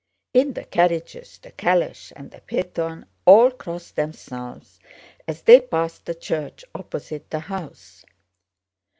In the carriages, the calèche, and the phaeton, all crossed themselves as they passed the church opposite the house.